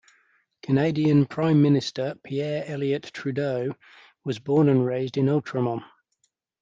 Canadian Prime Minister Pierre Elliott Trudeau was born and raised in Outremont.